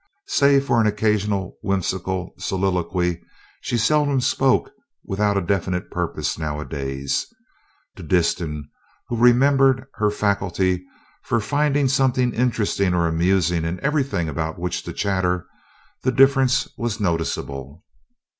Save for an occasional whimsical soliloquy, she seldom spoke without a definite purpose nowadays. To Disston, who remembered her faculty for finding something interesting or amusing in everything about which to chatter, the difference was noticeable.